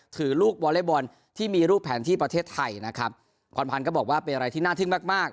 ถือลูกวอเล็กบอลที่มีรูปแผนที่ประเทศไทยนะครับพรพันธ์ก็บอกว่าเป็นอะไรที่น่าทึ่งมากมาก